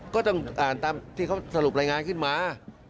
ก็ต้องอ่านตามที่เขาสรุปรายงานขึ้นมา